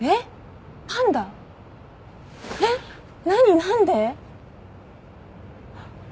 何で？